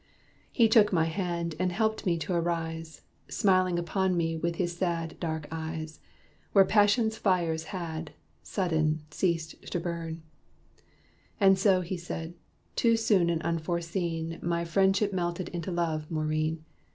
He took my hand, and helped me to arise, Smiling upon me with his sad dark eyes. Where passion's fires had, sudden, ceased to burn. "And so," he said, "too soon and unforeseen My friendship melted into love, Maurine.